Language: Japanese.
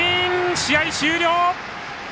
試合終了！